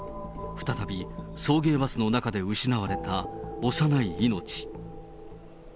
再び送迎バスの中で失われた幼い命。